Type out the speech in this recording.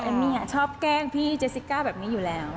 มี่ชอบแกล้งพี่เจสสิก้าแบบนี้อยู่แล้ว